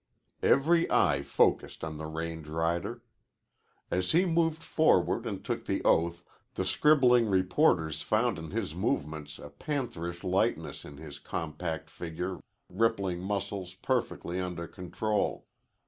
Every eye focused on the range rider. As he moved forward and took the oath the scribbling reporters found in his movements a pantherish lightness, in his compact figure rippling muscles perfectly under control.